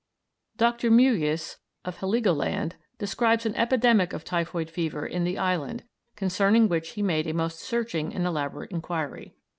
Dr. Mewius, of Heligoland, describes an epidemic of typhoid fever in the island, concerning which he made a most searching and elaborate inquiry.